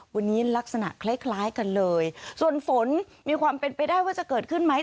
วันนี้ลักษณะคล้ายคล้ายกันเลยส่วนฝนมีความเป็นไปได้ว่าจะเกิดขึ้นไหม